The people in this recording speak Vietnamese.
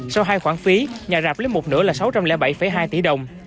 sau hai khoản phí nhà rạp lấy một nửa là sáu trăm linh bảy hai tỷ đồng